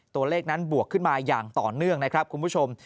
ตัวเลขนั้นบวกขึ้นมาอย่างต่อเนื่องนะครับคุณผู้ชม